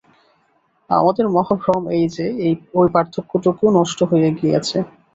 আমাদের মহাভ্রম এই যে, ঐ পার্থক্যটুকু নষ্ট হইয়া গিয়াছে।